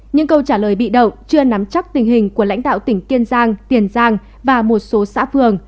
những câu trả lời bị động chưa nắm chắc tình hình của lãnh đạo tỉnh kiên giang tiền giang và một số xã phường